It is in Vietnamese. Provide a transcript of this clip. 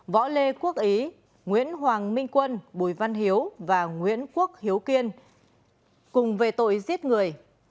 võ lê quốc ý nguyễn hoàng minh quân bùi văn hiếu và nguyễn quốc hiếu kiên cùng về tội giết người